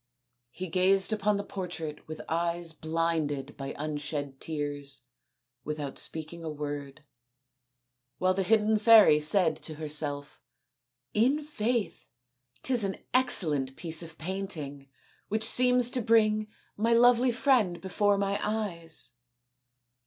He gazed upon the portrait with eyes blinded by unshed tears without speaking a word, while the hidden fairy said to herself, " In faith, 'tis an ex cellent piece of painting which seems to bring my lovely friend before my eyes."